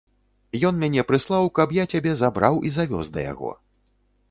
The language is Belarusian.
Ён мяне прыслаў, каб я цябе забраў і завёз да яго.